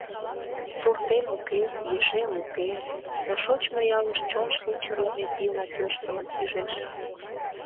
Суртем уке, ешем уке, но шочмо ялыш чон шинчырлыме пийла тӧрштылын ӱжеш.